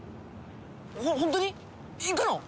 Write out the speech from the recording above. ホホントに！？行くの！？